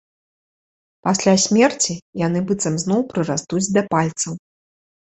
Пасля смерці яны быццам зноў прырастуць да пальцаў.